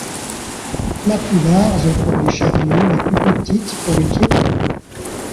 La plus large, pour les chariots, la plus petite, pour les piétons.